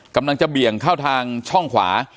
กำลังจะเบี่ยงเข้าทางช่องขวา